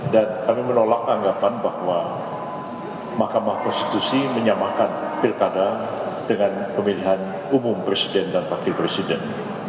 dan kami menolak anggapan bahwa mahkamah konstitusi menyamakan pilkada dengan pemilihan umum presiden dan wakil presiden